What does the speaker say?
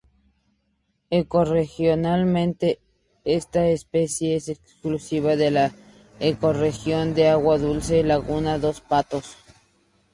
Ecorregionalmente esta especie es exclusiva de la ecorregión de agua dulce laguna dos Patos.